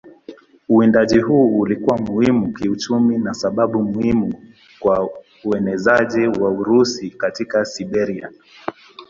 Uwindaji huu ulikuwa muhimu kiuchumi na sababu muhimu kwa uenezaji wa Urusi katika Siberia.